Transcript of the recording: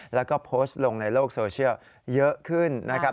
แล้วก็โพสต์ลงในโลกโซเชียลเยอะขึ้นนะครับ